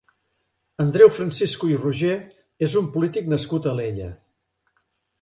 Andreu Francisco i Roger és un polític nascut a Alella.